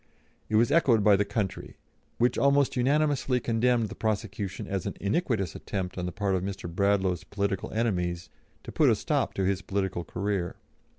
It was echoed by the country, which almost unanimously condemned the prosecution as an iniquitous attempt on the part of Mr. Bradlaugh's political enemies to put a stop to his political career.